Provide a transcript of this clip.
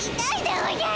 おじゃる！